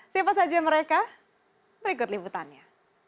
siapa saja mereka berikut liputannya